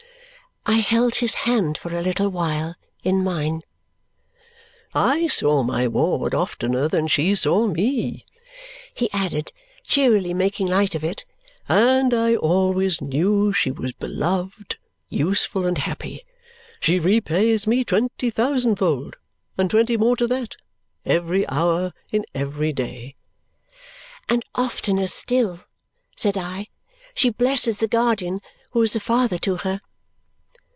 I held his hand for a little while in mine. "I saw my ward oftener than she saw me," he added, cheerily making light of it, "and I always knew she was beloved, useful, and happy. She repays me twenty thousandfold, and twenty more to that, every hour in every day!" "And oftener still," said I, "she blesses the guardian who is a father to her!"